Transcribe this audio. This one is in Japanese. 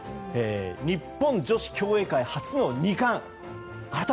日本女子競泳界初の２冠。